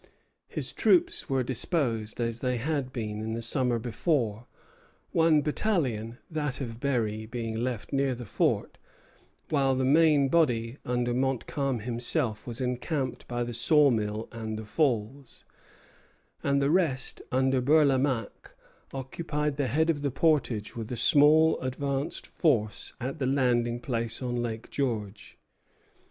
His troops were disposed as they had been in the summer before; one battalion, that of Berry, being left near the fort, while the main body, under Montcalm himself, was encamped by the saw mill at the Falls, and the rest, under Bourlamaque, occupied the head of the portage, with a small advanced force at the landing place on Lake George.